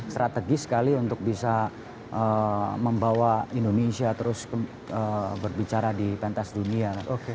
strategis sekali untuk bisa membawa indonesia terus berbicara di pentas dunia